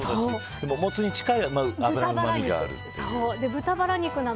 でも、もつに近い脂のうまみがあるという。